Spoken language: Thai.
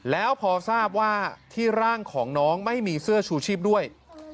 แล้วพอทราบว่าที่ร่างของน้องไม่มีเสื้อชูชีพด้วย